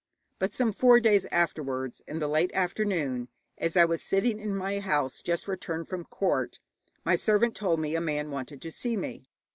But some four days afterwards, in the late afternoon, as I was sitting in my house, just returned from court, my servant told me a man wanted to see me.